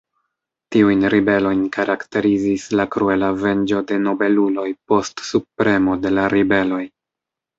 Tiujn ribelojn karakterizis la kruela venĝo de nobeluloj post subpremo de la ribeloj.